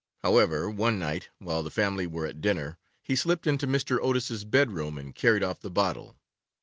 However, one night, while the family were at dinner, he slipped into Mr. Otis's bedroom and carried off the bottle.